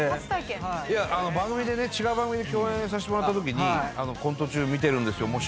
いや違う番組で共演させてもらったときに「『コント中。』見てるんですよ。